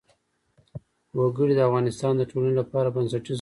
وګړي د افغانستان د ټولنې لپاره بنسټيز رول لري.